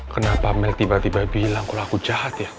kenapa mel tiba tiba bilang kalau aku jahat ya